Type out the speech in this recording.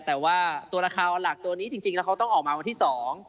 แต่ว่าตัวราคาหลักตัวนี้จริงแล้วเขาต้องออกมาวันที่สอง